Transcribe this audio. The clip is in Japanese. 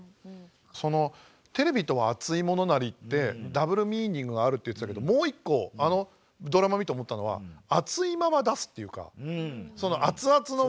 その「テレビとはあついものなり」ってダブルミーニングがあるって言ってたけどもう一個あのドラマ見て思ったのは熱いまま出すっていうかその熱々のまま出す。